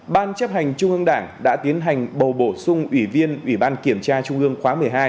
ban chấp hành trung ương đảng đã tiến hành bầu bổ sung ủy viên ủy ban kiểm tra trung ương khóa một mươi hai